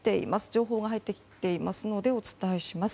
情報が入ってきていますのでお伝えします。